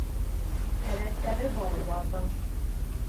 Һәләттәре бар уларҙың.